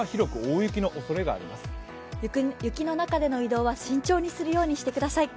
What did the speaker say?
雪の中での移動は慎重にするようにしてください。